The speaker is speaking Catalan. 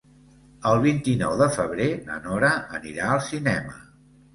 El vint-i-nou de febrer na Nora anirà al cinema.